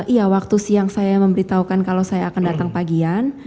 iya waktu siang saya memberitahukan kalau saya akan datang pagian